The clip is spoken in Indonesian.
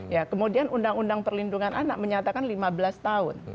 ya kemudian undang undang perlindungan anak menyatakan lima belas tahun